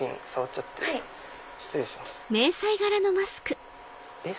失礼します。